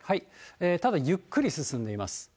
ただ、ゆっくり進んでいます。